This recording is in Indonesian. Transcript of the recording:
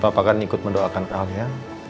bapak kan ikut mendoakan al ya